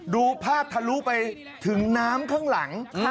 ดูภาพทะลุไปถึงน้ำข้างหลัง